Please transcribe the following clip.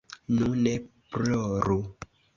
Nu, ne ploru.